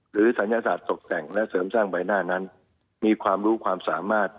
ศัลยศาสตร์ตกแต่งและเสริมสร้างใบหน้านั้นมีความรู้ความสามารถ